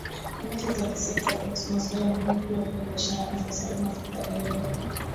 kamati za kisekta kuhusu masuala muhimu kama vile biashara afya usalama fedha elimu